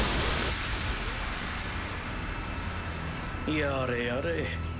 やれやれ。